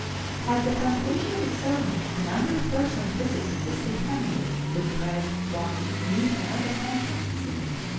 At the conclusion of the sermon a number of persons visited the sick family with bread, wine, meat and other comforts.